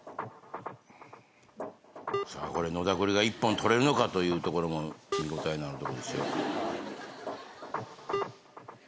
さあこれ野田クリが一本取れるのかというところも見応えのあるとこですよ。